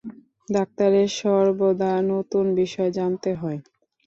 ডাক্তারের সর্বদা নতুন বিষয় জানতে হয়।